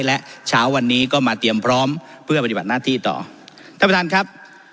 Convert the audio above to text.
และเช้าวันนี้ก็มาเตรียมพร้อมเพื่อปฏิบัติหน้าที่ต่อท่านประธานครับ